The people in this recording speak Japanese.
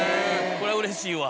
これはうれしいわ。